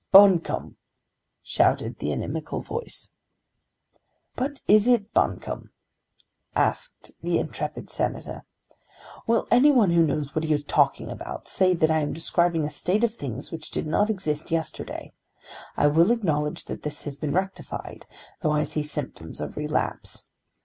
"Buncombe," shouted the inimical voice. "But is it Buncombe?" asked the intrepid Senator. "Will any one who knows what he is talking about say that I am describing a state of things which did not exist yesterday? I will acknowledge that this has been rectified, tho' I see symptoms of relapse.